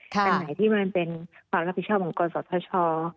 แต่ใหม่ที่มันเป็นความรับผิดชอบของโรงสอบธชา